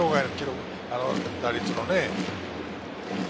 打率のね。